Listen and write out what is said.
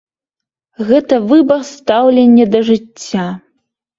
Гэта выбар стаўлення да жыцця.